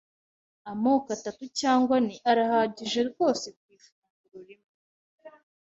Amoko atatu cyangwa ane arahagije rwose ku ifunguro rimwe.